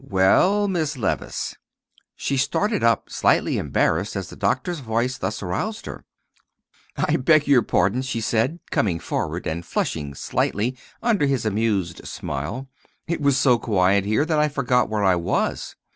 "Well, Miss Levice." She started up, slightly embarrassed, as the doctor's voice thus aroused her. "I beg your pardon," she said, coming forward and flushing slightly under his amused smile. "It was so quiet here that I forgot where I was."